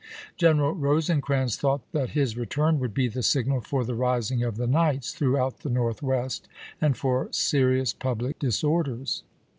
General Rosecrans thought that his return would be the signal for the rising of the Knights through out the Northwest, and for serious public disorders.